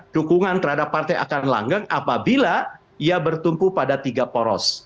dukungan terhadap partai akan langgeng apabila ia bertumpu pada tiga poros